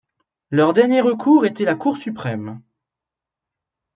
Leur dernier recours était la Cour suprême.